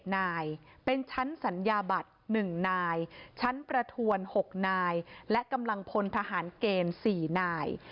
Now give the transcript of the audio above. นายเป็นชั้นสัญญาบัตร๑นายชั้นประทวน๖นายและกำลังพลทหารเกณฑ์๔นาย